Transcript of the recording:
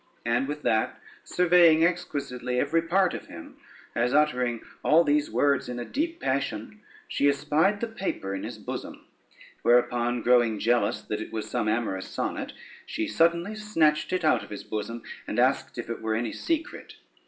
And with that surveying exquisitely every part of him, as uttering all these words in a deep passion, she espied the paper in his bosom; whereupon growing jealous that it was some amorous sonnet, she suddenly snatched it out of his bosom and asked if it were any secret.